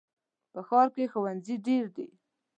په ښار کې ښوونځي ډېر دي.